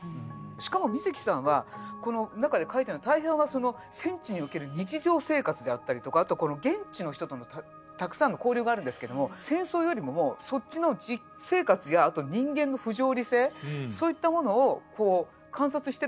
しかも水木さんはこの中でかいてるのは大半はその戦地における日常生活であったりとかあとこの現地の人とのたくさんの交流があるんですけども戦争よりももうそっちの実生活やあと人間の不条理性そういったものをこう観察してるほうが楽しそうなんですよ。